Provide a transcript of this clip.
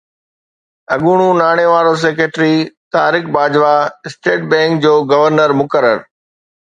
اڳوڻو ناڻي وارو secretary Tariq Bajwa state bank جو گورنر مقرر